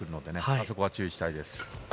あそこは注意したいです。